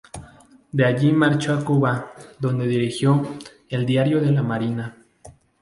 De allí marchó a Cuba, donde dirigió "El Diario de la Marina".